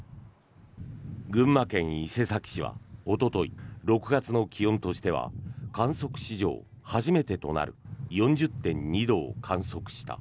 群馬県伊勢崎市はおととい６月の気温としては観測史上初めてとなる４０．２度を観測した。